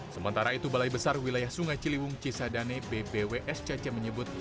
sementara itu balai besar wilayah sungai ciliwung cisadane bbws caca menyebut